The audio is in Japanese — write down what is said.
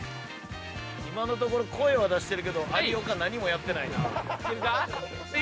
今のところ声は出してるけど有岡何もやってないな。